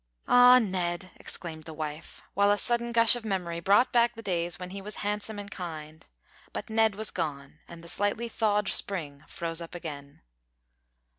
"Ah! Ned," exclaimed the wife, while a sudden gush of memory brought back the days when he was handsome and kind, but Ned was gone, and the slightly thawed spring froze up again.